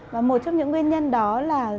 và một trong những nguyên nhân đó là